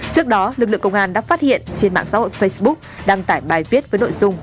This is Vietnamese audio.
trước đó lực lượng công an đã phát hiện trên mạng xã hội facebook đăng tải bài viết với nội dung